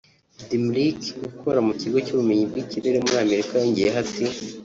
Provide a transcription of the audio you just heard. Dimarcq ukora mu kigo cy’ubumenyi bw’ikirere muri Amerika yongeyeho ati